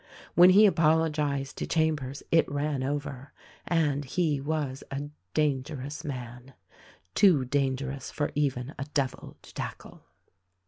When he apologized to Chambers it ran over — and he was a dangerous man. Too dangerous for even a devil to tackle.